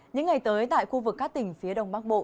những ngày tới tại khu vực các tỉnh phía đông bắc bộ